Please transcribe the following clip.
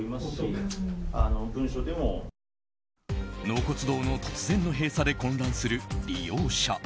納骨堂の突然の閉鎖で混乱する利用者。